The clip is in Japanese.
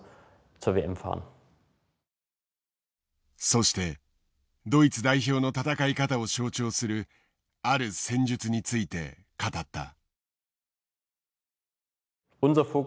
そしてドイツ代表の戦い方を象徴するある戦術について語った。